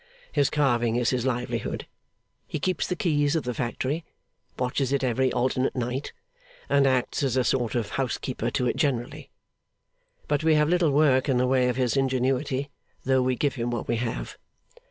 His carving is his livelihood. He keeps the keys of the Factory, watches it every alternate night, and acts as a sort of housekeeper to it generally; but we have little work in the way of his ingenuity, though we give him what we have.